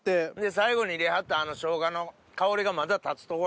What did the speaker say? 最後に入れはったショウガの香りがまた立つところ。